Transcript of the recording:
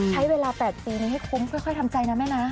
ใช้เวลา๘ปีนี้ให้คุ้มค่อยทำใจนะแม่นะ